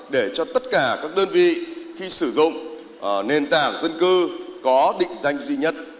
để cho tất cả các đơn vị khi sử dụng nền tảng dân cư có định danh duy nhất